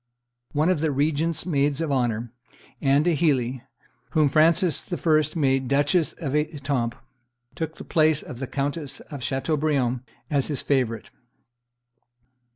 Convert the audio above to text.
One of the regent's maids of honor, Anne d'Heilly, whom Frances I. made Duchess of Etampes, took the place of the Countess of Chateaubriant as his favorite.